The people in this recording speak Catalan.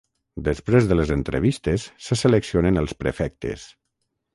Després de les entrevistes se seleccionen els prefectes.